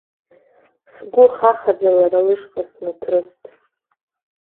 Сгәы хахаӡа лара лышҟа снаҭрыст.